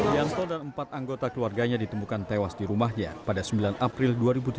yanto dan empat anggota keluarganya ditemukan tewas di rumahnya pada sembilan april dua ribu tujuh belas